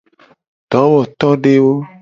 Dowotodewo.